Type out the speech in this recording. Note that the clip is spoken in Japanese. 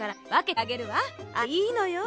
あれいいのよ。